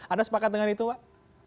anda sepakat dengan itu pak